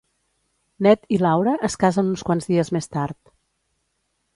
Ned i Laura es casen uns quants dies més tard.